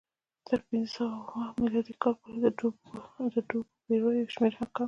تر پنځه سوه میلادي کاله پورې د ډوبو بېړیو شمېر کم شو